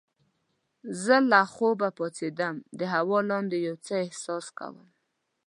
زه له خوبه پاڅیدم د هوا لاندې یو څه احساس کوم.